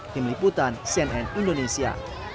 tim liputan cnn indonesia